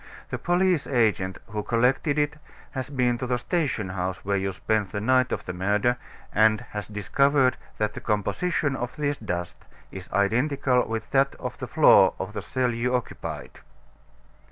The police agent who collected it has been to the station house where you spent the night of the murder, and has discovered that the composition of this dust is identical with that of the floor of the cell you occupied."